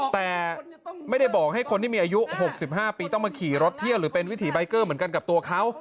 แต่ไม่ได้บอกให้คนที่มีอายุ๖๕ปีต้องมาขี่รถเที่ยวหรือเป็นวิถีใบเกอร์เหมือนกันกับตัวเขา